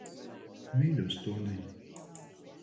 Mīļo stundiņ.